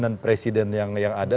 dan presiden yang ada